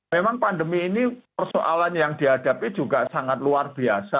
memang pandemi ini persoalan yang dihadapi juga sangat luar biasa